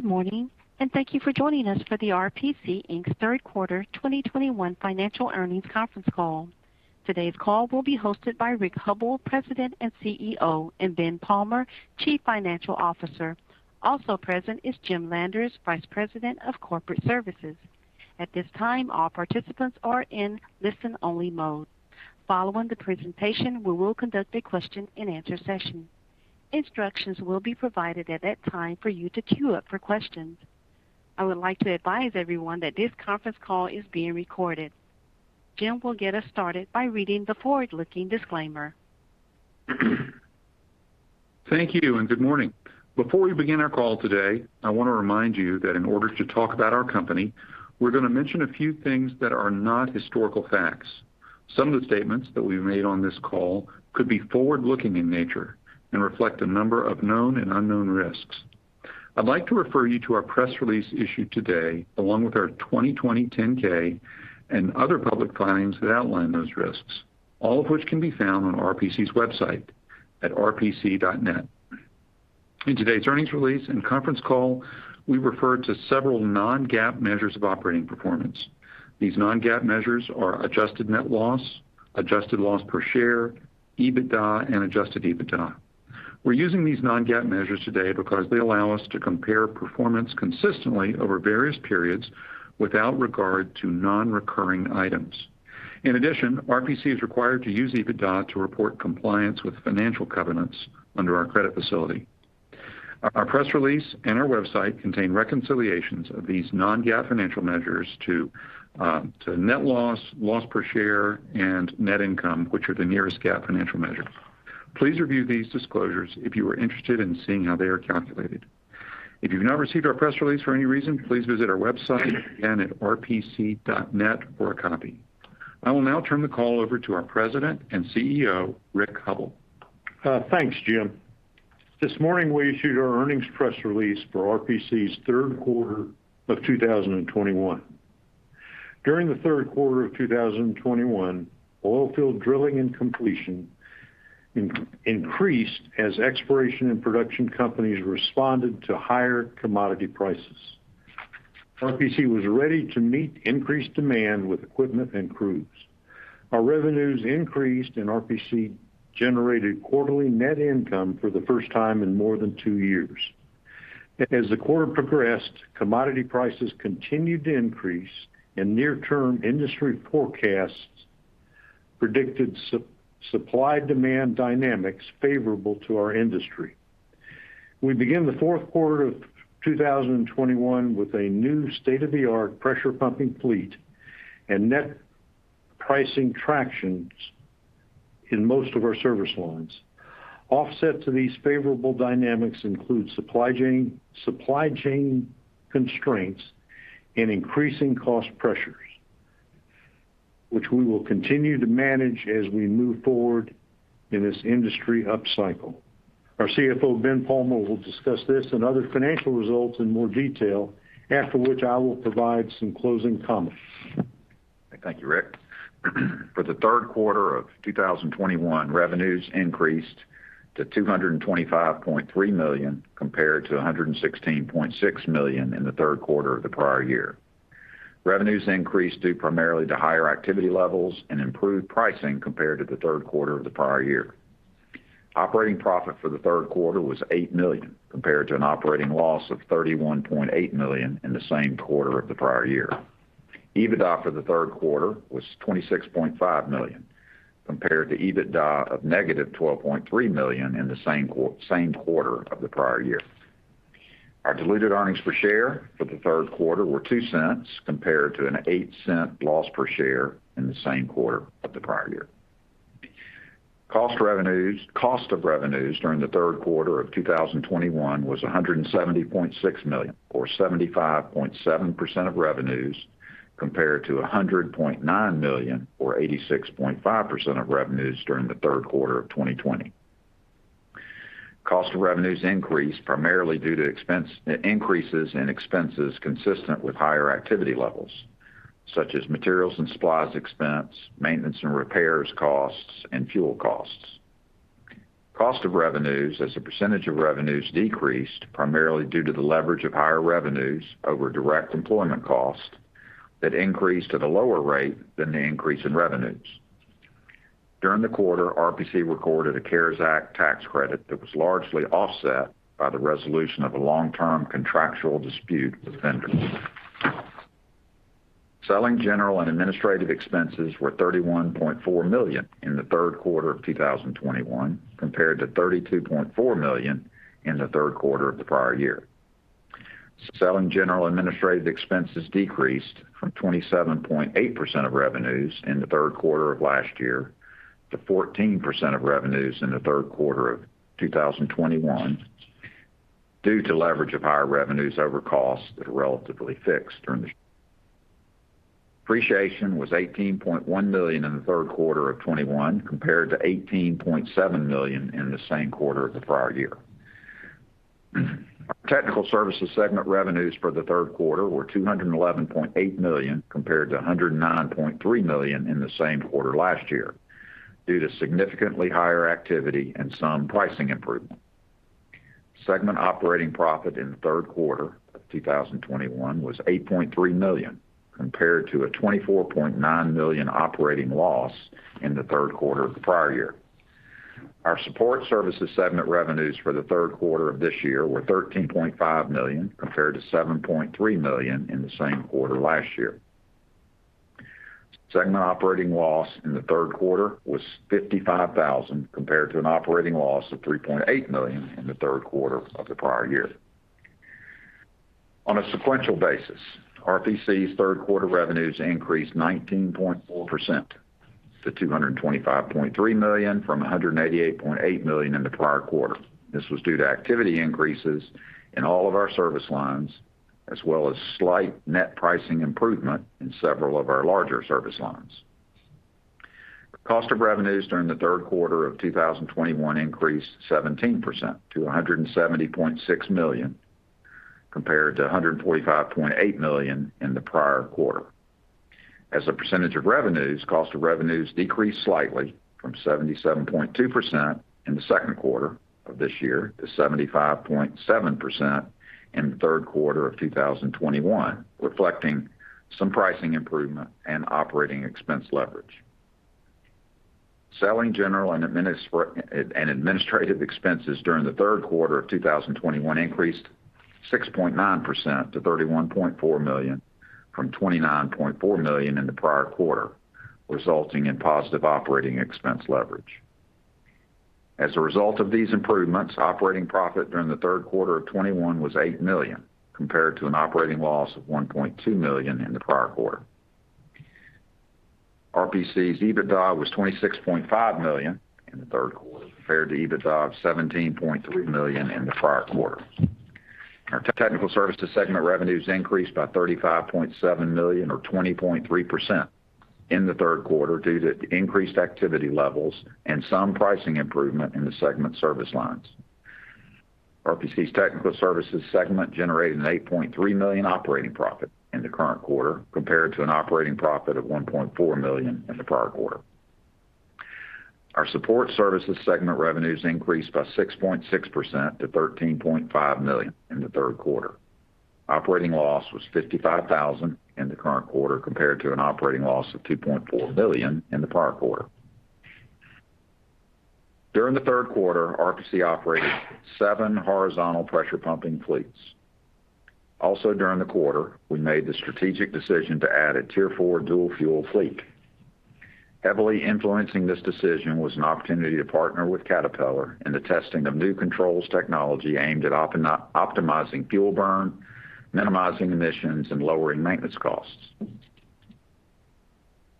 Good morning, and thank you for joining us for the RPC, Inc.'s Q3 2021 financial earnings conference call. Today's call will be hosted by Rick Hubbell, President and CEO, and Ben Palmer, Chief Financial Officer. Also present is Jim Landers, Vice President of Corporate Services. At this time, all participants are in listen-only mode. Following the presentation, we will conduct a question-and-answer session. Instructions will be provided at that time for you to queue up for questions. I would like to advise everyone that this conference call is being recorded. Jim will get us started by reading the forward-looking disclaimer. Thank you, and good morning. Before we begin our call today, I want to remind you that in order to talk about our company, we're going to mention a few things that are not historical facts. Some of the statements that we've made on this call could be forward-looking in nature and reflect a number of known and unknown risks. I'd like to refer you to our press release issued today, along with our 2020 10-K and other public filings that outline those risks, all of which can be found on RPC's website at rpc.net. In today's earnings release and conference call, we refer to several non-GAAP measures of operating performance. These non-GAAP measures are adjusted net loss, adjusted loss per share, EBITDA and Adjusted EBITDA. We're using these non-GAAP measures today because they allow us to compare performance consistently over various periods without regard to non-recurring items. In addition, RPC is required to use EBITDA to report compliance with financial covenants under our credit facility. Our press release and our website contain reconciliations of these non-GAAP financial measures to net loss per share, and net income, which are the nearest GAAP financial measures. Please review these disclosures if you are interested in seeing how they are calculated. If you've not received our press release for any reason, please visit our website again at rpc.net for a copy. I will now turn the call over to our President and CEO, Rick Hubbell. Thanks, Jim. This morning, we issued our earnings press release for RPC's Q3 of 2021. During the Q3 of 2021, oilfield drilling and completion increased as exploration and production companies responded to higher commodity prices. RPC was ready to meet increased demand with equipment and crews. Our revenues increased, and RPC generated quarterly net income for the first time in more than two years. As the quarter progressed, commodity prices continued to increase, and near-term industry forecasts predicted supply-demand dynamics favorable to our industry. We begin the Q4 of 2021 with a new state-of-the-art pressure pumping fleet and net pricing traction in most of our service lines. Offset to these favorable dynamics include supply chain constraints and increasing cost pressures, which we will continue to manage as we move forward in this industry upcycle. Our CFO, Ben Palmer, will discuss this and other financial results in more detail, after which I will provide some closing comments. Thank you, Rick. For the Q3 of 2021, revenues increased to $225.3 million, compared to $116.6 million in the Q3 of the prior year. Revenues increased due primarily to higher activity levels and improved pricing compared to the Q3 of the prior year. Operating profit for the Q3 was $8 million, compared to an operating loss of $31.8 million in the same quarter of the prior year. EBITDA for the Q3 was $26.5 million, compared to EBITDA of -$12.3 million in the same quarter of the prior year. Our diluted earnings per share for the Q3 were $0.02, compared to an $0.08 loss per share in the same quarter of the prior year. Cost of revenues during the Q3 of 2021 was $170.6 million, or 75.7% of revenues, compared to $100.9 million or 86.5% of revenues during the Q3 of 2020. Cost of revenues increased primarily due to increases in expenses consistent with higher activity levels, such as materials and supplies expense, maintenance and repairs costs, and fuel costs. Cost of revenues as a percentage of revenues decreased primarily due to the leverage of higher revenues over direct employment costs that increased at a lower rate than the increase in revenues. During the quarter, RPC recorded a CARES Act tax credit that was largely offset by the resolution of a long-term contractual dispute with vendors. Selling, general and administrative expenses were $31.4 million in the Q3 of 2021, compared to $32.4 million in the Q3 of the prior year. Selling, general and administrative expenses decreased from 27.8% of revenues in the Q3 of last year to 14% of revenues in the Q3 of 2021 due to leverage of higher revenues over costs that are relatively fixed. Depreciation was $18.1 million in the Q3 of 2021, compared to $18.7 million in the same quarter of the prior year. Our Technical Services segment revenues for the Q3 were $211.8 million, compared to $109.3 million in the same quarter last year due to significantly higher activity and some pricing improvement. Segment operating profit in the Q3 of 2021 was $8.3 million, compared to a $24.9 million operating loss in the Q3 of the prior year. Our Support Services segment revenues for the Q3 of this year were $13.5 million, compared to $7.3 million in the same quarter last year. Segment operating loss in the Q3 was $55,000, compared to an operating loss of $3.8 million in the Q3 of the prior year. On a sequential basis, RPC's Q3 revenues increased 19.4% to $225.3 million from $188.8 million in the prior quarter. This was due to activity increases in all of our service lines as well as slight net pricing improvement in several of our larger service lines. Cost of revenues during the Q3 of 2021 increased 17% to $170.6 million, compared to $145.8 million in the prior quarter. As a percentage of revenues, cost of revenues decreased slightly from 77.2% in the Q2 of this year to 75.7% in the Q3 of 2021, reflecting some pricing improvement and operating expense leverage. Selling, general, and administrative expenses during the Q3 of 2021 increased 6.9% to $31.4 million from $29.4 million in the prior quarter, resulting in positive operating expense leverage. As a result of these improvements, operating profit during the Q3 of 2021 was $8 million, compared to an operating loss of $1.2 million in the prior quarter. RPC's EBITDA was $26.5 million in the Q3 compared to EBITDA of $17.3 million in the prior quarter. Our Technical Services segment revenues increased by $35.7 million or 20.3% in the Q3 due to increased activity levels and some pricing improvement in the segment service lines. RPC's Technical Services segment generated $8.3 million operating profit in the current quarter compared to an operating profit of $1.4 million in the prior quarter. Our Support Services segment revenues increased by 6.6% to $13.5 million in the Q3. Operating loss was $55,000 in the current quarter compared to an operating loss of $2.4 million in the prior quarter. During the Q3, RPC operated seven horizontal pressure pumping fleets. Also, during the quarter, we made the strategic decision to add a Tier 4 dual-fuel fleet. Heavily influencing this decision was an opportunity to partner with Caterpillar in the testing of new controls technology aimed at optimizing fuel burn, minimizing emissions, and lowering maintenance costs.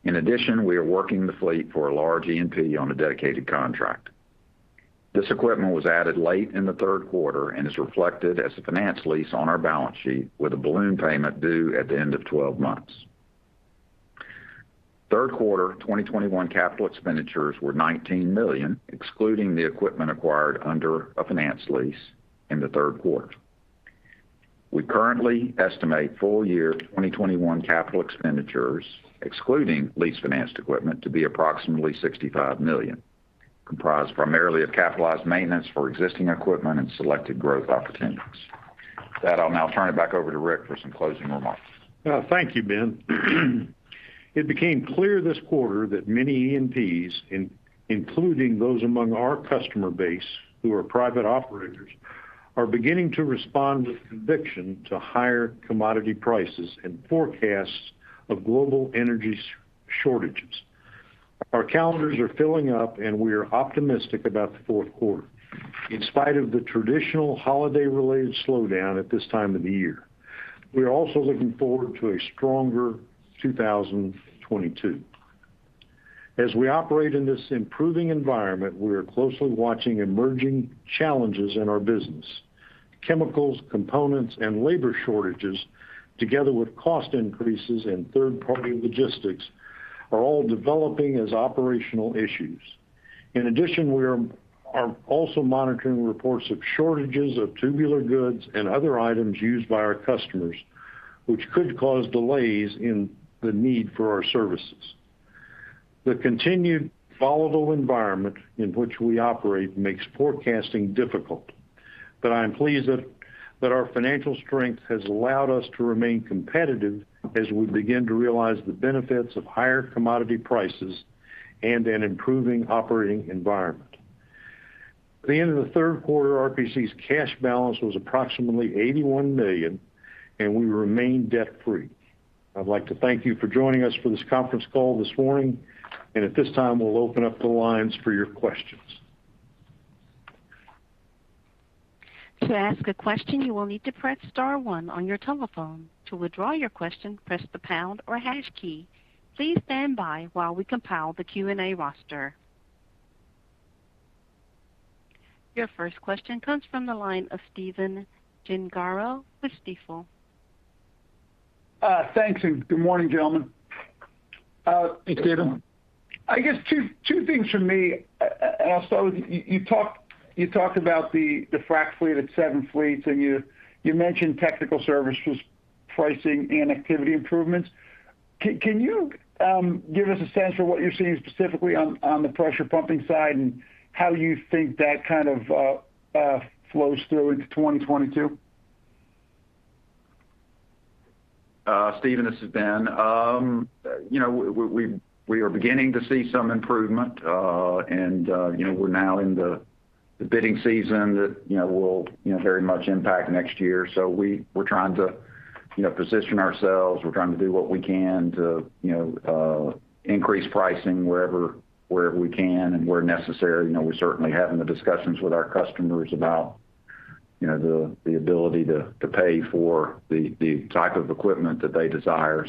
In addition, we are working the fleet for a large E&P on a dedicated contract. This equipment was added late in the Q3 and is reflected as a finance lease on our balance sheet with a balloon payment due at the end of 12 months. Q3 2021 capital expenditures were $19 million, excluding the equipment acquired under a finance lease in the Q3. We currently estimate full year 2021 capital expenditures, excluding lease financed equipment, to be approximately $65 million, comprised primarily of capitalized maintenance for existing equipment and selected growth opportunities. With that, I'll now turn it back over to Rick for some closing remarks. Thank you, Ben. It became clear this quarter that many E&Ps, including those among our customer base who are private operators, are beginning to respond with conviction to higher commodity prices and forecasts of global energy shortages. Our calendars are filling up, and we are optimistic about the Q4 in spite of the traditional holiday-related slowdown at this time of the year. We are also looking forward to a stronger 2022. As we operate in this improving environment, we are closely watching emerging challenges in our business. Chemicals, components, and labor shortages, together with cost increases and third-party logistics, are all developing as operational issues. In addition, we are also monitoring reports of shortages of tubular goods and other items used by our customers, which could cause delays in the need for our services. The continued volatile environment in which we operate makes forecasting difficult, but I am pleased that our financial strength has allowed us to remain competitive as we begin to realize the benefits of higher commodity prices and an improving operating environment. At the end of the Q3, RPC's cash balance was approximately $81 million, and we remain debt-free. I'd like to thank you for joining us for this conference call this morning, and at this time, we'll open up the lines for your questions. Your first question comes from the line of Stephen Gengaro with Stifel. Thanks, and good morning, gentlemen. Good morning. Hey, Stephen. I guess two things from me. I'll start with you. You talked about the frack fleet. It's seven fleets, and you mentioned Technical Services pricing and activity improvements. Can you give us a sense for what you're seeing specifically on the pressure pumping side? and how you think that kind of flows through into 2022? Stephen, this is Ben. You know, we are beginning to see some improvement. You know, we're now in the bidding season that, you know, will very much impact next year so we're trying to, you know, position ourselves we're trying to do what we can to, you know, increase pricing wherever we can and where necessary you know, we're certainly having the discussions with our customers about, you know, the ability to pay for the type of equipment that they desire.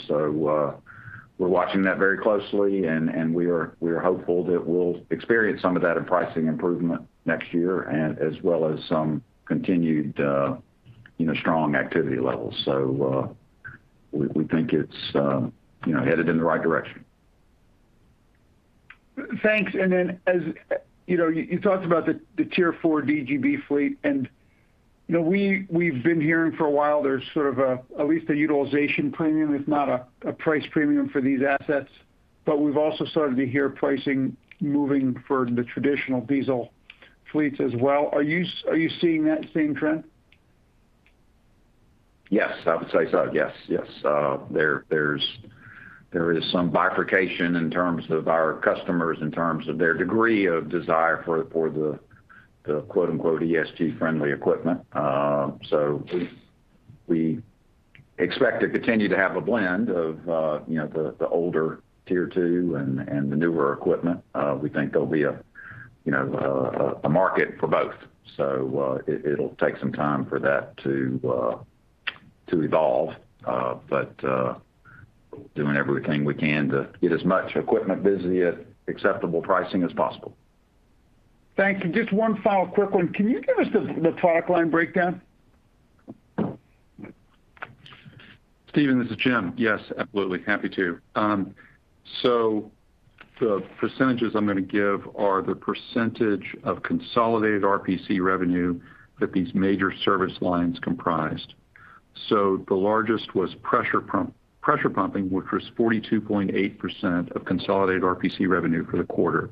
We're watching that very closely and we are hopeful that we'll experience some of that in pricing improvement next year and as well as some continued, you know, strong activity levels. We think it's, you know, headed in the right direction. Thanks. As you know, you talked about the Tier 4 DGB fleet. You know, we've been hearing for a while there's sort of a, at least a utilization premium, if not a price premium for these assets. We've also started to hear pricing moving for the traditional diesel fleets as well are you seeing that same trend? Yes, I would say so. Yes. Yes. There is some bifurcation in terms of our customers, in terms of their degree of desire for the quote-unquote "ESG-friendly equipment." We expect to continue to have a blend of, you know, the older Tier 2 and the newer equipment. We think there'll be a, you know, a market for both. It'll take some time for that to evolve. Doing everything we can to get as much equipment busy at acceptable pricing as possible. Thank you. Just one final quick one. Can you give us the product line breakdown? Stephen, this is Jim. Yes, absolutely. Happy to. The percentages I'm gonna give are the percentage of consolidated RPC revenue that these major service lines comprised. The largest was pressure pumping, which was 42.8% of consolidated RPC revenue for the quarter.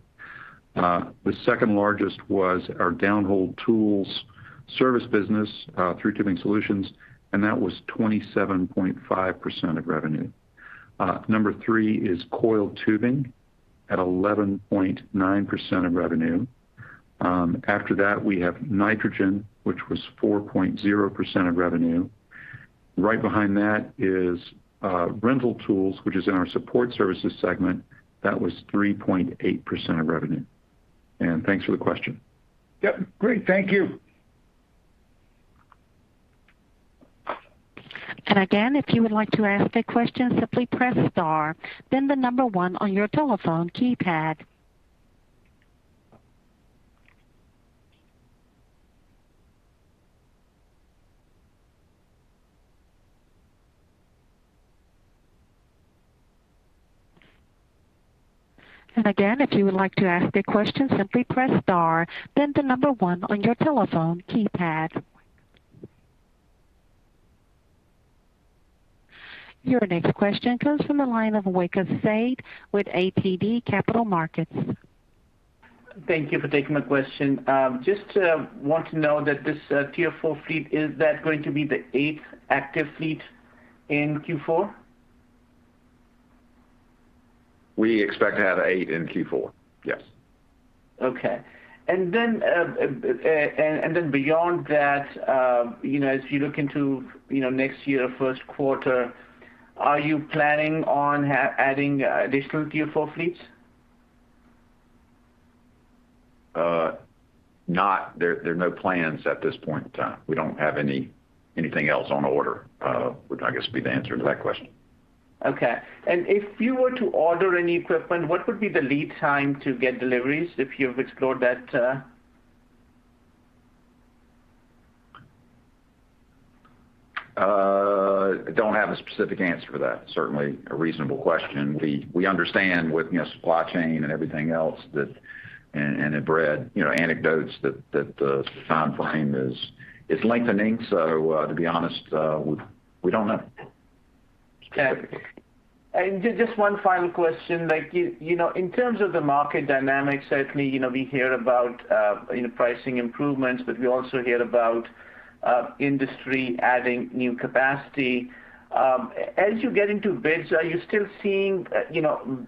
The second-largest was our downhole tools service business, through Thru Tubing Solutions, and that was 27.5% of revenue. Number three is coiled tubing at 11.9% of revenue. After that, we have nitrogen, which was 4.0% of revenue. Right behind that is rental tools, which is in our Support Services segment. That was 3.8% of revenue. Thanks for the question. Yep. Great. Thank you. Your next question comes from the line of Waqar Syed with ATB Capital Markets. Thank you for taking my question. Just want to know that this Tier 4 fleet is that going to be the eighth active fleet in Q4? We expect to have eight in Q4, yes. Okay. Beyond that, you know, as you look into, you know, next year, Q1, are you planning on adding additional Tier 4 fleets? There are no plans at this point in time. We don't have anything else on order, which I guess would be the answer to that question. Okay. If you were to order any equipment, what would be the lead time to get deliveries if you've explored that? I don't have a specific answer for that certainly a reasonable question we understand with, you know, supply chain and everything else that and have read, you know, anecdotes that the timeframe is lengthening. To be honest, we don't know. Okay. Just one final question. Like, you know, in terms of the market dynamics, certainly, you know, we hear about, you know, pricing improvements, but we also hear about, industry adding new capacity. As you get into bids, are you still seeing, you know,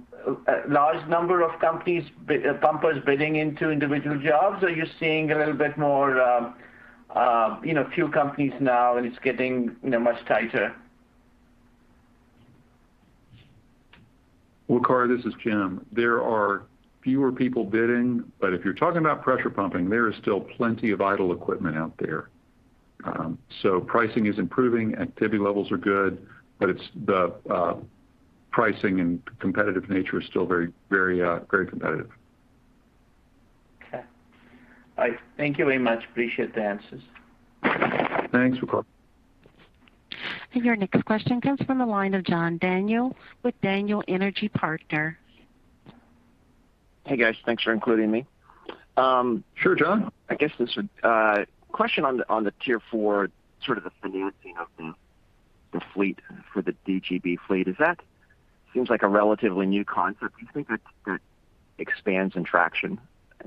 a large number of companies pumpers bidding into individual jobs? Are you seeing a little bit more, you know, few companies now and it's getting, you know, much tighter? Waqar, this is Jim. There are fewer people bidding, but if you're talking about pressure pumping, there is still plenty of idle equipment out there. Pricing is improving, activity levels are good, but it's the pricing and competitive nature is still very competitive. Okay. I thank you very much. Appreciate the answers. Thanks, Waqar. Your next question comes from the line of John Daniel with Daniel Energy Partners. Hey guys, thanks for including me. Sure, John. Question on the Tier 4, sort of the financing of the fleet for the DGB fleet. Seems like a relatively new concept do you think that gains traction?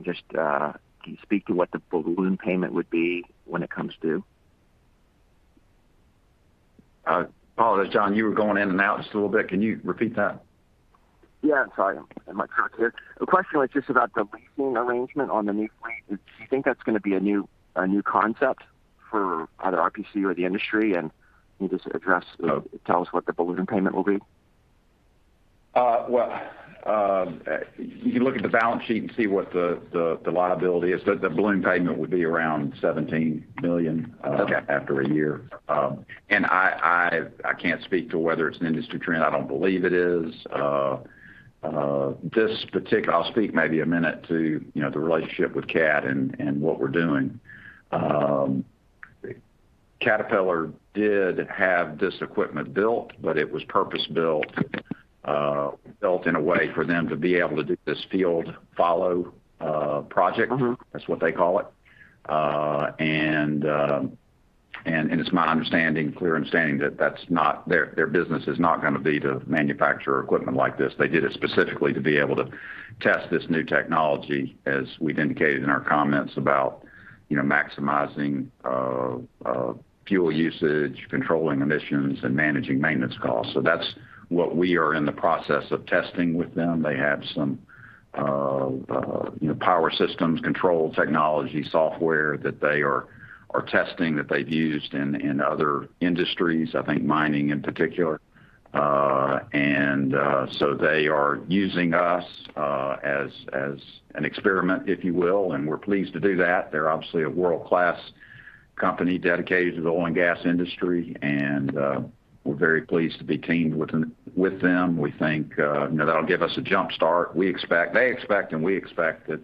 Just, can you speak to what the balloon payment would be when it comes due? I apologize, John, you were going in and out just a little bit. Can you repeat that? Yeah, sorry. Am I through? The question was just about the leasing arrangement on the new fleet do you think that's gonna be a new concept for either RPC or the industry? Can you just tell us what the balloon payment will be? Well, you can look at the balance sheet and see what the liability is the balloon payment would be around $17 million- Okay. -After a year. I can't speak to whether it's an industry trend i don't believe it is. I'll speak maybe a minute to, you know, the relationship with Cudd and what we're doing. Caterpillar did have this equipment built, but it was purpose-built, built in a way for them to be able to do this field follow project that's what they call it. It's my clear understanding that that's not their business is not gonna be to manufacture equipment like this they did it specifically to be able to test this new technology, as we've indicated in our comments about, you know, maximizing fuel usage, controlling emissions, and managing maintenance costs. That's what we are in the process of testing with them they have some power systems, control technology software that they are testing, that they've used in other industries, I think mining in particular. They are using us as an experiment, if you will, and we're pleased to do that. They're obviously a world-class company dedicated to the oil and gas industry, and we're very pleased to be teamed with them. We think, you know, that'll give us a jump start they expect and we expect that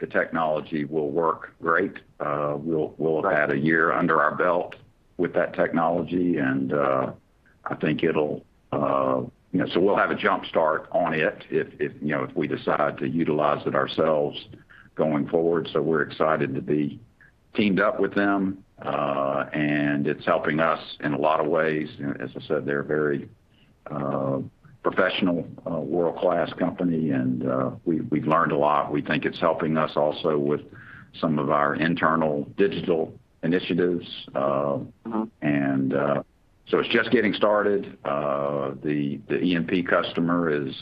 the technology will work great. We'll have had a year under our belt with that technology and I think it'll you know we'll have a jump start on it if you know if we decide to utilize it ourselves going forward we're excited to be teamed up with them and it's helping us in a lot of ways you know, as I said, they're a very professional world-class company and we've learned a lot we think it's helping us also with some of our internal digital initiatives. It's just getting started. The E&P customer is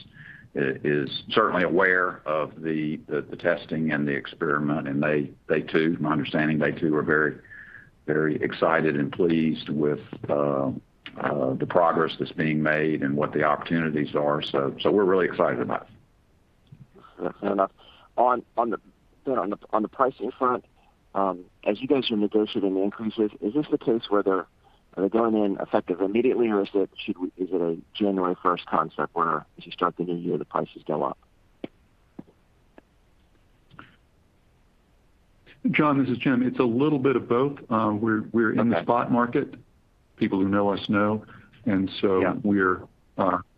certainly aware of the testing and the experiment, and they too, from my understanding, are very excited and pleased with the progress that's being made and what the opportunities are we're really excited about it. Fair enough. On the pricing front, you know, as you guys are negotiating the increases, is this the case where they're going in effective immediately, or is it a January first concept where as you start the new year, the prices go up? John, this is Jim. It's a little bit of both. Okay. We're in the spot market. People who know us know. Yeah. We're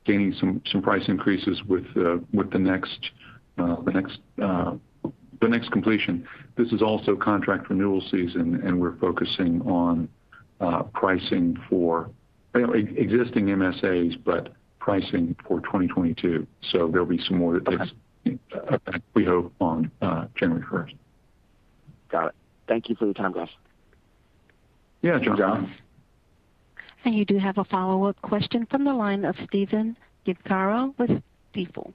gaining some price increases with the next completion. This is also contract renewal season, and we're focusing on pricing for, you know, existing MSA, but pricing for 2022. There'll be some more- Okay. -that takes effect, we hope, on 1 January. Got it. Thank you for the time, guys. Yeah. Sure, John. You do have a follow-up question from the line of Stephen Gengaro with Stifel.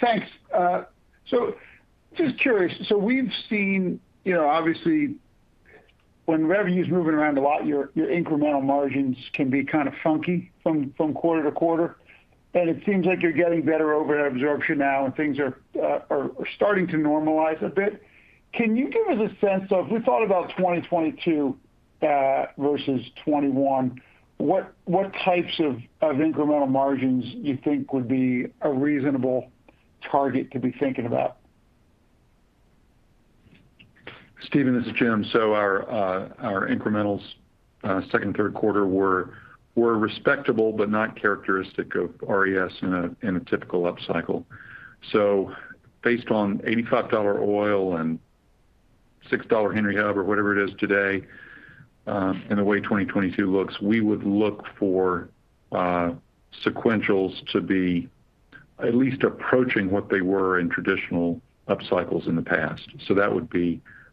Thanks. Just curious. We've seen, you know, obviously when revenue's moving around a lot, your incremental margins can be kind of funky from quarter-to-quarter. It seems like you're getting better overhead absorption now, and things are starting to normalize a bit. Can you give us a sense of, if we thought about 2022 versus 2021? What types of incremental margins you think would be a reasonable target to be thinking about? Stephen, this is Jim. Our incrementals Q2 and Q3 were respectable but not characteristic of RPC in a typical upcycle. Based on $85 oil and $6 Henry Hub or whatever it is today, and the way 2022 looks, we would look for sequentials to be at least approaching what they were in traditional upcycles in the past. That would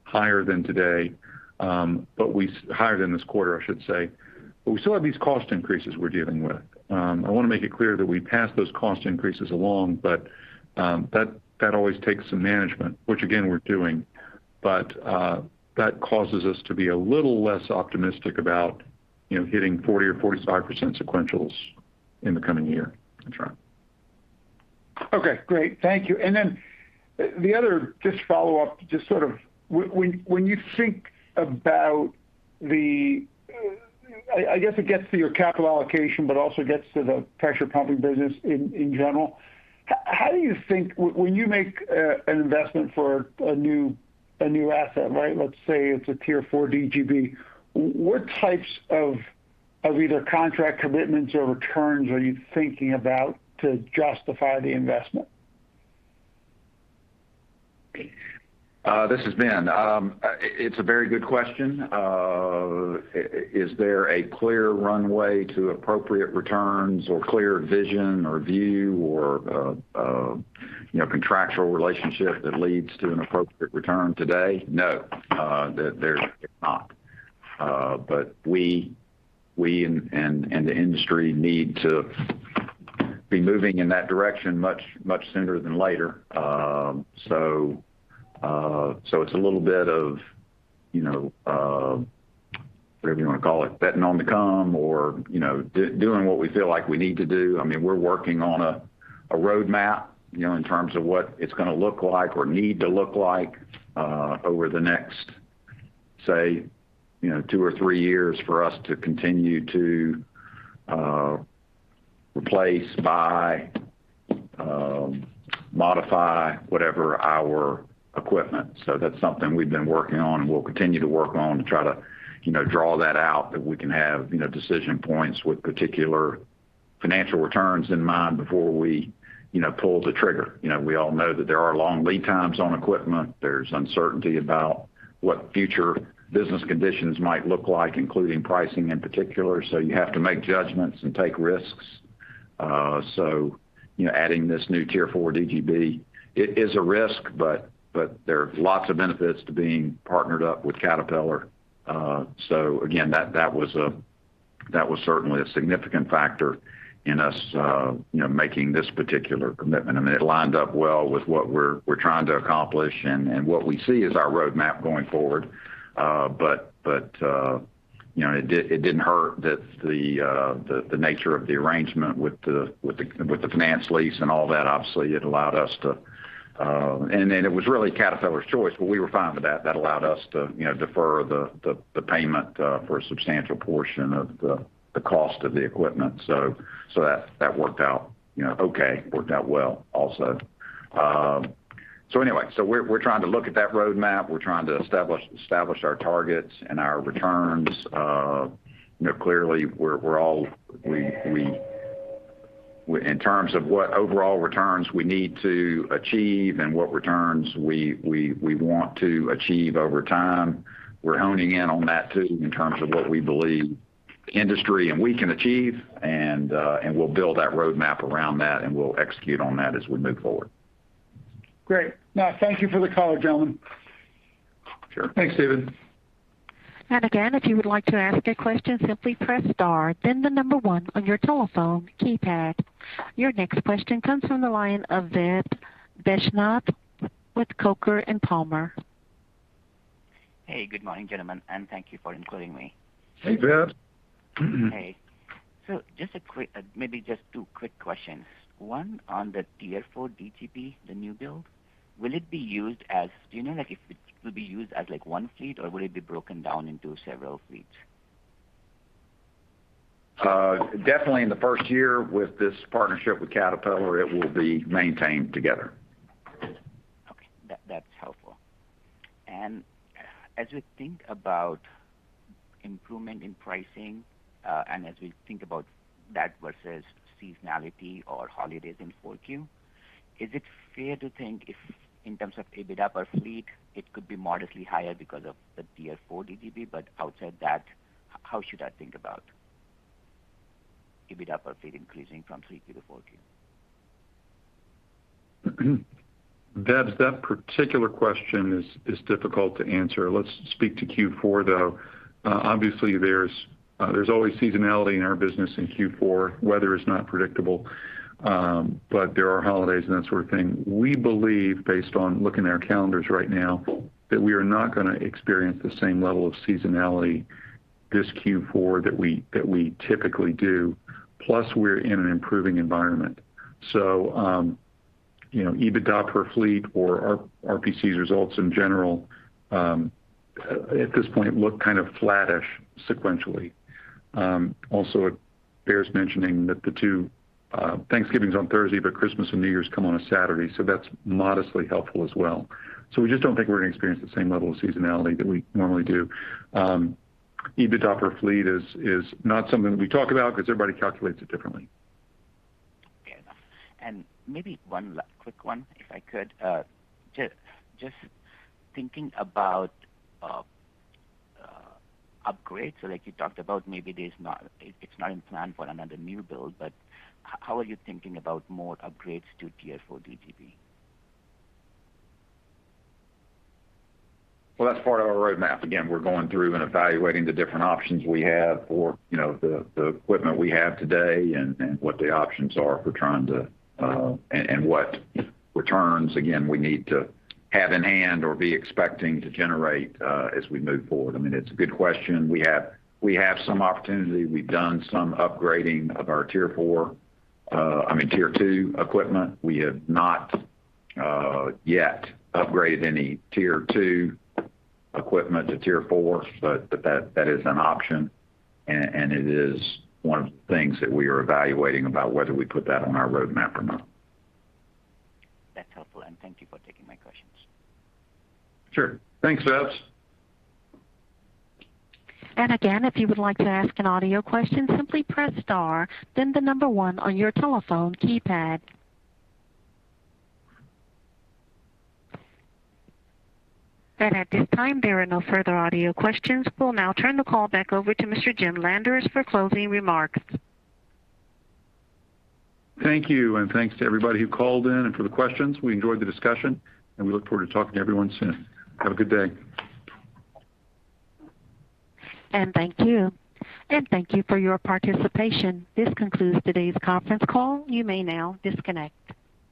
be higher than today, but higher than this quarter, I should say. We still have these cost increases we're dealing with. I wanna make it clear that we pass those cost increases along, but that always takes some management, which again, we're doing. That causes us to be a little less optimistic about, you know, hitting 40% or 45% sequentials in the coming year. That's right. Okay. Great. Thank you. The other just follow-up, just sort of when you think about the I guess it gets to your capital allocation, but also gets to the pressure pumping business in general. How do you think when you make an investment for a new asset, right? Let's say it's a Tier 4 DGB. What types of either contract commitments or returns are you thinking about to justify the investment? This is Ben. It's a very good question. Is there a clear runway to appropriate returns or clear vision or view or, you know, contractual relationship that leads to an appropriate return today? No. There's not. We and the industry need to be moving in that direction much sooner than later. It's a little bit of, you know, whatever you want to call it, betting on the come or, you know, doing what we feel like we need to do. I mean, we're working on a roadmap, you know, in terms of what it's gonna look like or need to look like, over the next, say, you know, two or three years for us to continue to replace, buy, modify whatever our equipment. That's something we've been working on, and we'll continue to work on to try to- -you know, draw that out, that we can have, you know, decision points with particular financial returns in mind before we, you know, pull the trigger. You know, we all know that there are long lead times on equipment there's uncertainty about what future business conditions might look like, including pricing in particular so you have to make judgments and take risks. You know, adding this new Tier 4 DGB, it is a risk, but there are lots of benefits to being partnered up with Caterpillar. That was certainly a significant factor in us, you know, making this particular commitment i mean, it lined up well with what we're trying to accomplish and what we see as our roadmap going forward. You know, it didn't hurt that the nature of the arrangement with the finance lease and all that obviously, it allowed us to. Then it was really Caterpillar's choice, but we were fine with that, that allowed us to, you know, defer the payment for a substantial portion of the cost of the equipment. That worked out, you know, okay. It worked out well also. Anyway, we're trying to look at that roadmap. We're trying to establish our targets and our returns. You know, clearly we're all we. In terms of what overall returns we need to achieve and what returns we want to achieve over time, we're honing in on that too in terms of what we believe the industry and we can achieve. We'll build that roadmap around that, and we'll execute on that as we move forward. Great. No, thank you for the call, gentlemen. Sure. Thanks, Stephen Gengaro. Your next question comes from the line of Don Crist with COKER & PALMER. Hey, good morning, gentlemen, and thank you for including me. Hey, Don Crist. Hey. Just a quick, maybe just two quick questions. One on the Tier 4 DGB, the new build. Will it be used as? Do you know, like, if it will be used as, like, one fleet or will it be broken down into several fleets? Definitely in the first year with this partnership with Caterpillar, it will be maintained together. Okay. That's helpful. As we think about improvement in pricing, and as we think about that versus seasonality or holidays in Q4, is it fair to think in terms of EBITDA per fleet, it could be modestly higher because of the Tier 4 DGB? Outside that, how should I think about EBITDA per fleet increasing from Q3 to Q4? Don, that particular question is difficult to answer. Let's speak to Q4, though. Obviously, there's always seasonality in our business in Q4. Weather is not predictable, but there are holidays and that sort of thing. We believe, based on looking at our calendars right now, that we are not gonna experience the same level of seasonality this Q4 that we typically do. Plus, we're in an improving environment. You know, EBITDA per fleet or our RPC's results in general, at this point look kind of flattish sequentially. Also it bears mentioning that Thanksgiving's on Thursday, but Christmas and New Year's come on a Saturday, so that's modestly helpful as well. We just don't think we're gonna experience the same level of seasonality that we normally do. EBITDA per fleet is not something that we talk about because everybody calculates it differently. Okay. Maybe one quick one, if I could. Just thinking about upgrades. Like you talked about, maybe it's not in plan for another new build, but how are you thinking about more upgrades to Tier 4 DGB? Well, that's part of our roadmap. Again, we're going through and evaluating the different options we have for, you know, the equipment we have today and what the options are for and what returns, again, we need to have in hand or be expecting to generate as we move forward i mean, it's a good question. We have some opportunity. We've done some upgrading of our Tier 4, I mean, Tier 2 equipment we have not yet upgraded any Tier 2 equipment to Tier 4, but that is an option. It is one of the things that we are evaluating about whether we put that on our roadmap or not. That's helpful. Thank you for taking my questions. Sure. Thanks, Crist. Again, if you would like to ask an audio question, simply press star then one on your telephone keypad. At this time, there are no further audio questions. We'll now turn the call back over to Mr. Jim Landers for closing remarks. Thank you, and thanks to everybody who called in and for the questions. We enjoyed the discussion, and we look forward to talking to everyone soon. Have a good day. Thank you. Thank you for your participation. This concludes today's conference call. You may now disconnect.